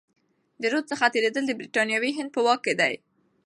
د رود څخه تیریدل د برتانوي هند په واک کي دي.